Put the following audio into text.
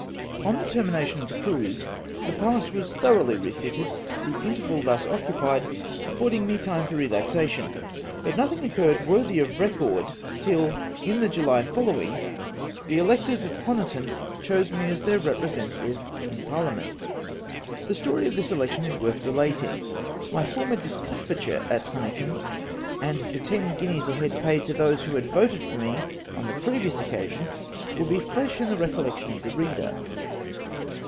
Ox the termmatioii of the cruise, the Pallas was thoroughly refitted, the mterval thus occupied afFordiug me time for relaxation, but nothing occurred worthy of record till, in the July followhig, the electors of Honiton chose me as their representative in parliament. The story of this election is worth relating. My former discomfiture at Honiton, and the ten guineas a head paid to those who had voted for me on the previous occasion, will be fresh in the recollection of the reader.